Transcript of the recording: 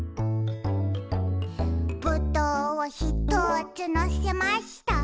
「ぶどうをひとつのせました」